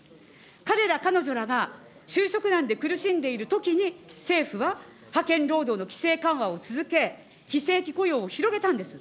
彼ら、彼女らが就職難で苦しんでいるときに、政府は、派遣労働の規制緩和を続け、非正規雇用を広げたんです。